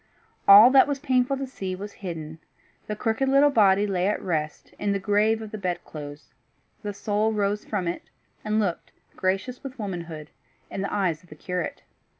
All that was painful to see was hidden; the crooked little body lay at rest in the grave of the bed clothes; the soul rose from it, and looked, gracious with womanhood, in the eyes of the curate.